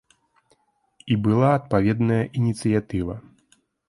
І была адпаведная ініцыятыва.